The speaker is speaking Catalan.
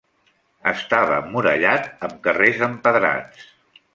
Estava emmurallat amb carrers empedrats.